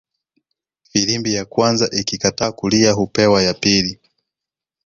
Filimbi ya kwanza ikikataa kulia hupewa ya pili